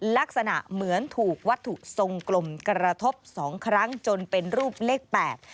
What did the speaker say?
ลักษณะเหมือนถูกวัตถุทรงกลมกระทบสองครั้งจนเป็นรูปเลขแปด